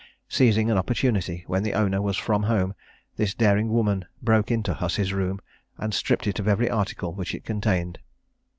Seizing an opportunity, when the owner was from home, this daring woman broke into Hussey's room, and stripped it of every article which it contained.